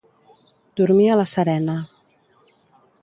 Dormir a la serena.